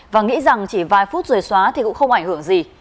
và nghĩ rằng chỉ vài phút rồi xóa thì cũng không ảnh hưởng gì